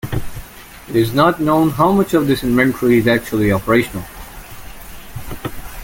It is not known how much of this inventory is actually operational.